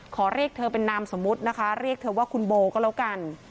ขอเรียกเธอเป็นนามสมมุตินะคะเรียกเธอว่าคุณโบก็แล้วกัน